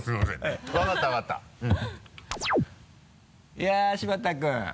いや柴田君。